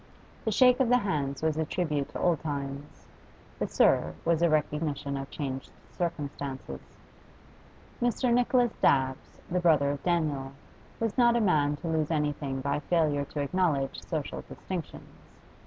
The shake of the hands was a tribute to old times, the 'sir' was a recognition of changed circumstances. Mr. Nicholas Dabbs, the brother of Daniel, was not a man to lose anything by failure to acknowledge social distinctions.